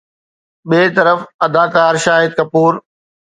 ٻئي طرف اداڪار شاهد ڪپور